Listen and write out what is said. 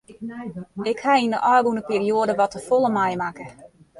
Ik ha yn de ôfrûne perioade wat te folle meimakke.